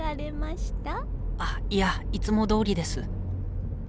あいやいつもどおりです。